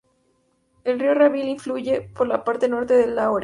El río Ravi fluye por la parte norte de Lahore.